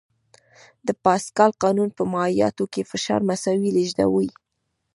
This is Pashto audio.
د پاسکال قانون په مایعاتو کې فشار مساوي لېږدوي.